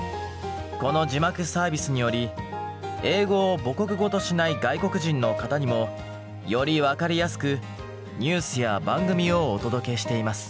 この字幕サービスにより英語を母国語としない外国人の方にもより分かりやすくニュースや番組をお届けしています。